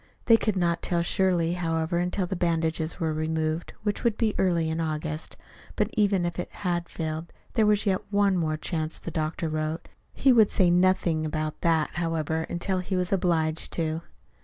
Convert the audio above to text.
They could not tell surely, however, until the bandages were removed, which would be early in August. But even if it had failed, there was yet one more chance, the doctor wrote. He would say nothing about that, however, until he was obliged to.